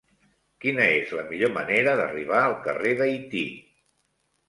Quina és la millor manera d'arribar al carrer d'Haití?